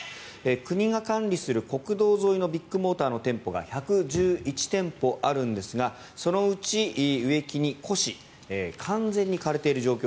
国が管理する国道沿いのビッグモーターの店舗が１１１店舗あるんですがそのうち植木に枯死完全に枯れている状況